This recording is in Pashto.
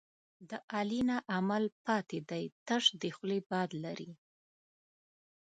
د علي نه عمل پاتې دی، تش د خولې باد لري.